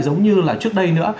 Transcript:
giống như là trước đây nữa